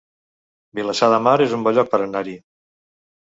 Vilassar de Mar es un bon lloc per anar-hi